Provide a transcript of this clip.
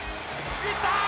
いったー！